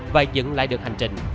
và dựng lại được hành trình